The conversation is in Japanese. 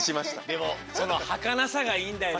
でもそのはかなさがいいんだよね。